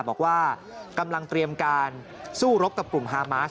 บอกว่ากำลังเตรียมการสู้รบกับกลุ่มฮามาส